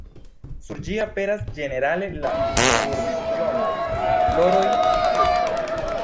Sur ĝi aperas ĝenerale la burĝonoj, floroj, fruktoj.